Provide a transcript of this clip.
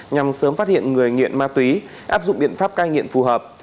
nhằm sớm phát hiện người nghiện ma túy áp dụng biện pháp cai nghiện phù hợp